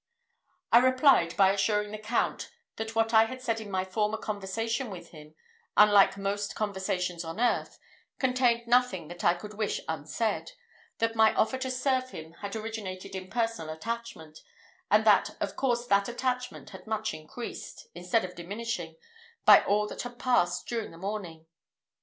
I replied by assuring the Count that what I had said in my former conversation with him, unlike most conversations on earth, contained nothing that I could wish unsaid that my offer to serve him had originated in personal attachment, and that of course that attachment had much increased, instead of diminishing, by all that had passed during the morning.